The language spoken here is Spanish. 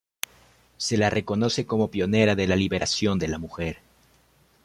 Se la reconoce como pionera de la liberación de la mujer.